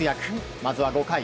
まずは５回。